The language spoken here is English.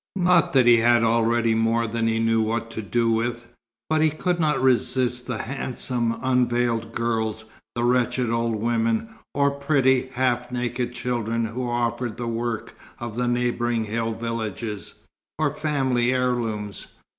Not that he had not already more than he knew what to do with; but he could not resist the handsome unveiled girls, the wretched old women, or pretty, half naked children who offered the work of the neighbouring hill villages, or family heirlooms.